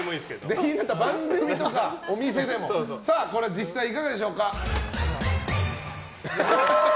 出禁になった番組とかお店でもこれは実際いかがでしょう。